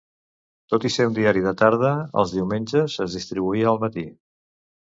Tot i ser un diari de tarda, els diumenges es distribuïa al matí.